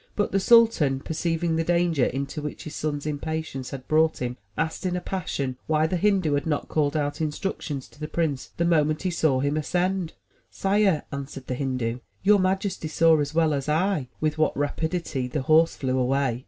But the sultan, perceiving the danger into which his son's impatience had brought him, asked in a passion why the Hindu had not called out instructions to the prince the moment he saw him ascend. Sire,*' answered the Hindu, "your majesty saw as well as I with what rapidity the horse flew away.